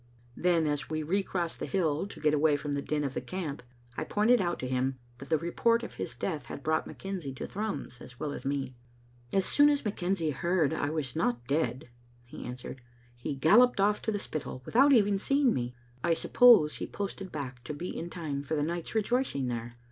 Then, as we recrossed the hill, to get away from the din of the camp, I pointed out to him that the report of his death had brought McKenzie to Thrums, as well as me. "As soon as McKenzie heard I was not dead," he answered, " he galloped oflE to the Spittal, without even seeing me. I suppose he posted back to be in time for the night's rejoicings there.